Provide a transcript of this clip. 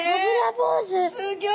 すギョい！